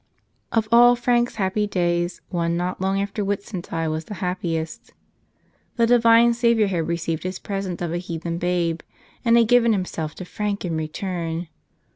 Of all Frank's happy days one not long after Whit¬ suntide was the happiest. The Divine Savior had re¬ ceived his present of a heathen babe and had given Himself to Frank in return!